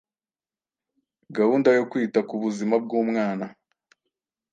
Gahunda yo kwita ku buzima bw’umwana